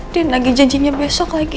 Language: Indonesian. dan lagi janjinya besok lagi